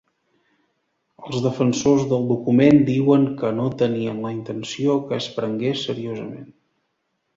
Els defensors del document diuen que no tenien la intenció que es prengués seriosament.